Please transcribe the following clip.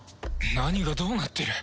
何がどうなっている？